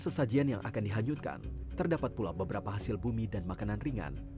konsentrasi masyarakat terkumpul di tempat pagelaran